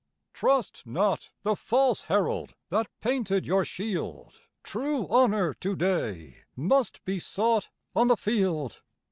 Trust not the false herald that painted your shield True honor to day must be sought on the field!